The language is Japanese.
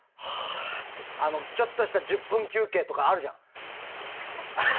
ちょっとした１０分休憩とかあるじゃん。